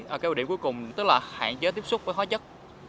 ở cái ưu điểm cuối cùng tức là hạn chế tiếp xúc với hóa chất